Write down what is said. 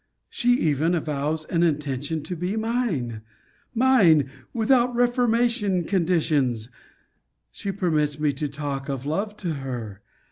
She even avows an intention to be mine. Mine! without reformation conditions! She permits me to talk of love to her!